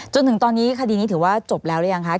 จนถึงตอนนี้คดีนี้ถือว่าจบแล้วหรือยังคะ